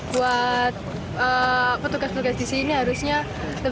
buat petugas petugas di sini harusnya lebih dirawat lagi